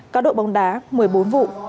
cao độ bóng đá một mươi bốn vụ